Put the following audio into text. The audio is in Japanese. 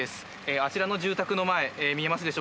あちらの住宅の前見えますでしょうか。